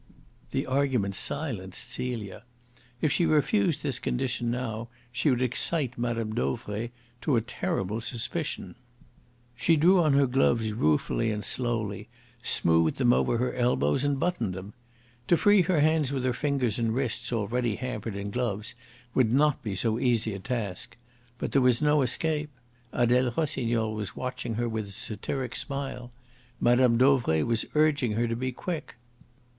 The argument silenced Celia. If she refused this condition now she would excite Mme. Dauvray to a terrible suspicion. She drew on her gloves ruefully and slowly, smoothed them over her elbows, and buttoned them. To free her hands with her fingers and wrists already hampered in gloves would not be so easy a task. But there was no escape. Adele Rossignol was watching her with a satiric smile. Mme. Dauvray was urging her to be quick.